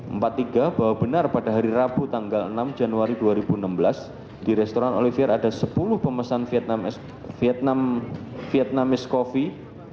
empat tiga bahwa benar pada hari rabu tanggal enam januari dua ribu enam belas di restoran olivier ada sepuluh pemesan vietnamese coffee